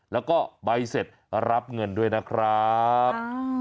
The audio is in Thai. แล้วก็ใบเสร็จรับเงินด้วยนะครับ